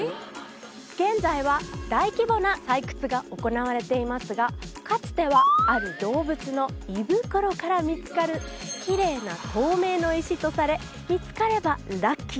現在は大規模な採掘が行われていますがかつてはある動物の胃袋から見つかるきれいな透明の石とされ見つかればラッキー